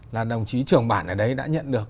là đồng chí trưởng bản ở đấy đã nhận được